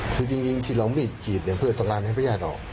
คือจริงที่เรามีจีดเพื่อประกันให้พญาติออก